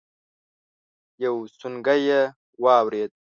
يو سونګی يې واورېد.